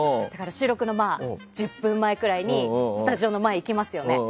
収録の１０分前ぐらいにスタジオの前に行きますよね。